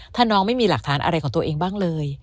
ถ้าน้องไม่มีหลักฐานอะไรของตัวเองบ้างเลย